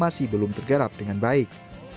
masih belum tergarap dengan baik